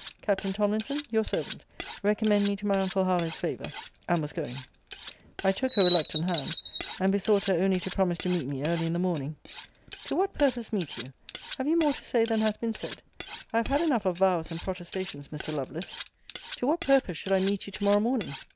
Captain Tomlinson, your servant. Recommend me to my uncle Harlowe's favour. And was going. I took her reluctant hand, and besought her only to promise to meet me early in the morning. To what purpose meet you? Have you more to say than has been said? I have had enough of vows and protestations, Mr. Lovelace. To what purpose should I meet you to morrow morning?